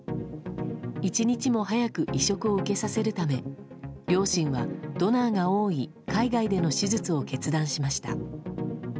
一日も早く移植を受けさせるため両親は、ドナーが多い海外での手術を決断しました。